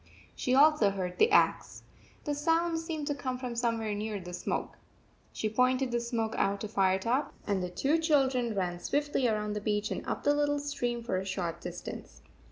She also heard the axe. The sound seemed to come from somewhere near the 140 smoke. She pointed the smoke out to Fire top, and the two children ran swiftly around the beach and up the little stream for a short distance.